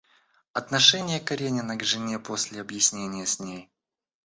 Отношение Каренина к жене после объяснения с ней.